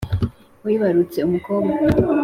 Wibarutse umukobwa